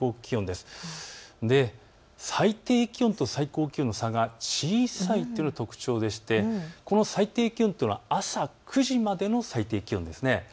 そして最低気温と最高気温の差が小さいというのが特徴で最低気温というのは朝９時までの最低気温です。